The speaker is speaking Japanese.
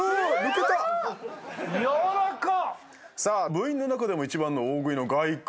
部員の中でも一番の大食いの凱君。